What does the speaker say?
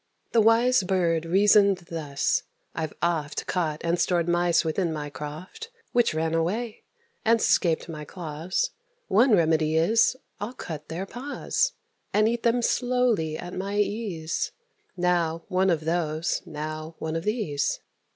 The wise bird reasoned thus: "I've oft Caught and stored Mice within my croft, Which ran away, and 'scaped my claws; One remedy is, I'll cut their paws, And eat them slowly at my ease Now one of those, now one of these.